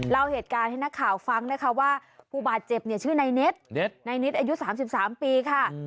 เล่าเหตุการณ์ให้นักข่าวฟังนะคะว่าผู้บาดเจ็บเนี่ยชื่อนายนิดนายนิดอายุ๓๓ปีค่ะ